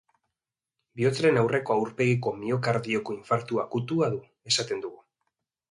Bihotzaren aurreko aurpegiko miokardioko infartu akutua du, esaten dugu.